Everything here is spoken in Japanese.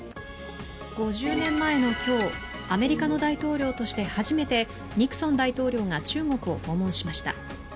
５０年前の今日、アメリカの大統領として初めてニクソン大統領が中国を訪問しました。